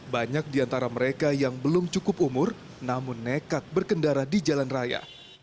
banyak di antara mereka yang belum cukup umur namun nekat berkendara di jalan raya